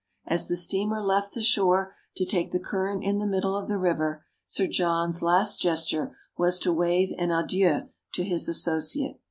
As the steamer left the shore to take the current in the middle of the river, Sir John's last gesture was to wave an adieu to his associate.